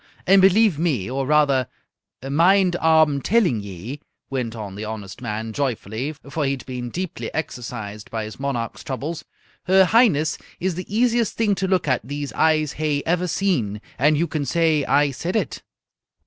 And believe me, or rather, mind ah'm telling ye," went on the honest man, joyfully, for he had been deeply exercised by his monarch's troubles, "her Highness is the easiest thing to look at these eyes hae ever seen. And you can say I said it!"